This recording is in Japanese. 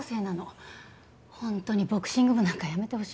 本当にボクシング部なんかやめてほしいんだけど。